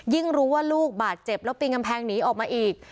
รู้ว่าลูกบาดเจ็บแล้วปีนกำแพงหนีออกมาอีก